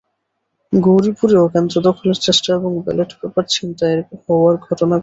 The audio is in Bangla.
গৌরীপুরেও কেন্দ্র দখলের চেষ্টা এবং ব্যালট পেপার ছিনতাই হওয়ার ঘটনা ঘটেছে।